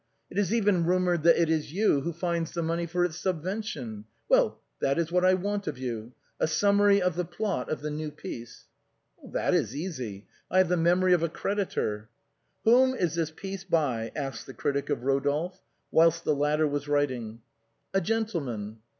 It is even rumored that it is you who finds the money for its subvention. Well, this is what I want of you, a summary of the plot of the new piece." " That is easy, I have the memory of a creditor." " Whom is this piece by ?" asked the critic of Rodolphe, whilst the latter was writing. "A gentleman."